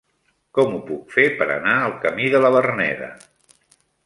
Com ho puc fer per anar al camí de la Verneda?